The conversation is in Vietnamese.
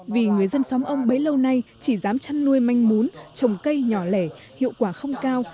vì người dân xóm ông bấy lâu nay chỉ dám chăn nuôi manh mún trồng cây nhỏ lẻ hiệu quả không cao